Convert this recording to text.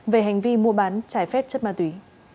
về hành vi mua bán trái phép chất ma túy